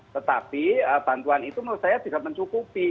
tetapi bantuan itu menurut saya bisa mencukupi